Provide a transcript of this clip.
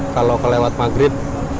kalau kelewat maghrib